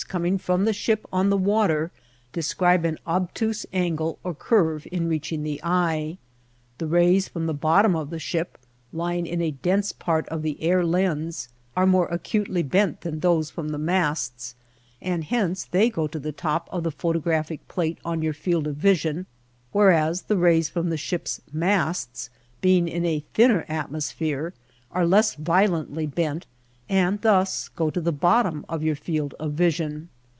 coming from the ship on the water describe an obtuse angle or curve in reaching the eye. The rays from the bottom of the ship, lying in a dense part of the air lens, are more acutely bent than those from the masts, and hence they go to the top of the photographic plate or your field of vision, whereas the rays from the ship's masts, being in a thinner atmosphere, are less violently bent, and thus go to the bottom of your field of vision.